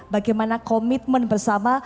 bagaimana komitmen bersama